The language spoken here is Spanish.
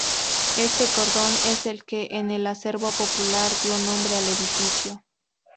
Este cordón es el que, en el acervo popular, dio nombre al edificio.